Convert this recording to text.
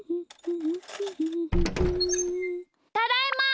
ただいま！